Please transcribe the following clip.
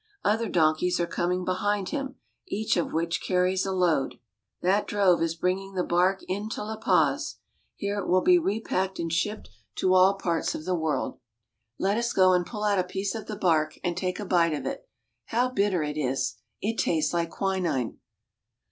Other donkeys are coming be hind him, each of which carries a load. That drove is LA PAZ. 93 bringing the bark into La Paz. Here it will be repacked and shipped to all parts of the world. Let us go and pull out a piece of the bark and take a bite of it. How bitter it is ! It tastes like quinine.